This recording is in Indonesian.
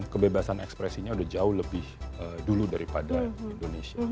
kebebasan ekspresinya udah jauh lebih dulu daripada indonesia